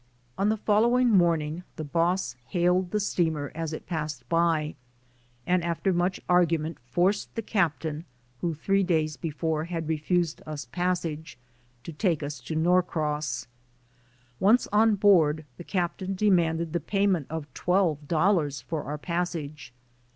On the following morning the boss hailed the steamer as it passed by, and after much argument forced the captain, who three days before had re fused us passage, to take us to Norcross. Once on board, the captain demanded the payment of twelve dollars for our passage.